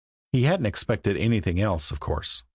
He hadn't expected anything else, of course.